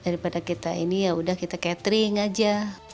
daripada kita ini yaudah kita catering aja